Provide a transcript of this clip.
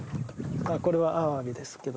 これはアワビですけど。